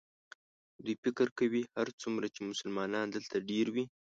دوی فکر کوي هرڅومره چې مسلمانان دلته ډېر وي.